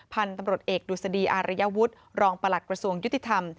พันธุ์ตำรวจเอกดุษฎีอารยวุฒิรองประหลักกระทรวงยุติธรรม